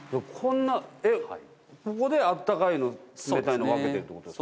ここであったかいの冷たいの分けてるってことですか？